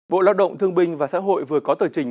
bộ lao động thương binh và xã hội vừa có tờ trình